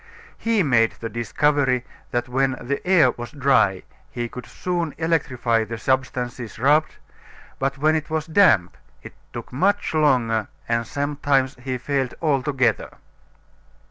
He made the discovery that when the air was dry he could soon electrify the substances rubbed, but when it was damp it took much longer and sometimes he failed altogether.